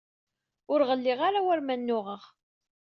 Ur ɣelliɣ ara war ma nnuɣeɣ.